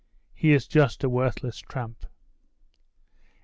"He is just a worthless tramp."